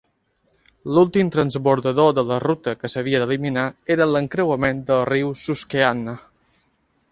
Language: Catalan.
L'últim transbordador de la ruta que s'havia d'eliminar era l'encreuament del riu Susquehanna.